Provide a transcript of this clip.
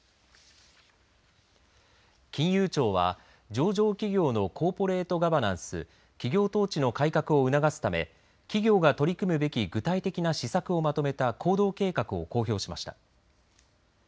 金融庁は上場企業のコーポレート・ガバナンス企業統治の改革を促すため企業が取り組むべき具体的な施策をまとめた行動計画を公表しました。